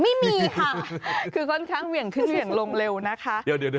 ไม่มีค่ะคือค่อนข้างเหวี่ยงขึ้นเหวี่ยงลงเร็วนะคะ